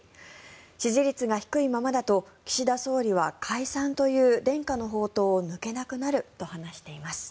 支持率が低いままだと岸田総理は解散という伝家の宝刀を抜けなくなると話しています。